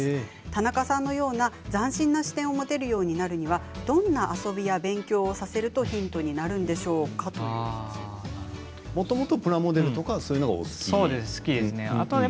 田中さんのように斬新な視点を持てるようになるにはどんな遊びや勉強をさせるとヒントになるんでしょうかもともとプラモデルとかが好きですね。